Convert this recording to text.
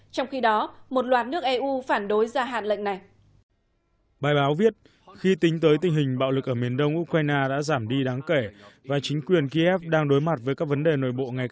trong khi đó một loạt nước eu phản đối gia hạn lệnh này